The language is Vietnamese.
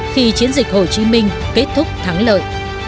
khi chiến dịch hồ chí minh kết thúc thắng lợi